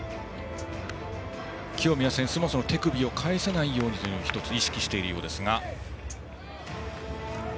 清宮選手、手首を返さないように１つ、意識しているようですが。